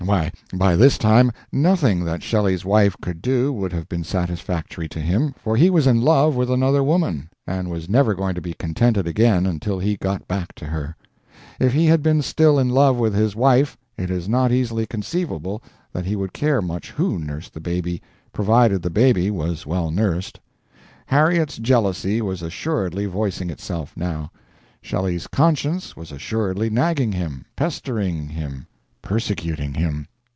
Why, by this time, nothing that Shelley's wife could do would have been satisfactory to him, for he was in love with another woman, and was never going to be contented again until he got back to her. If he had been still in love with his wife it is not easily conceivable that he would care much who nursed the baby, provided the baby was well nursed. Harriet's jealousy was assuredly voicing itself now, Shelley's conscience was assuredly nagging him, pestering him, persecuting him.